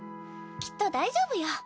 きっと大丈夫よ。